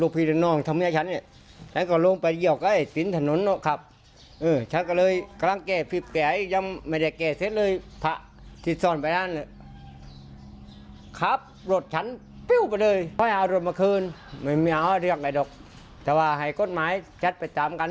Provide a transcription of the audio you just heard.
เพราะว่าเรียกไอ้ดกแต่ว่าไอ้กฎหมายจัดไปตามกัน